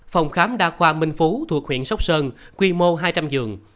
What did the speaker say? phòng khám đa khoa minh phú thuộc huyện sóc sơn quy mô hai trăm linh giường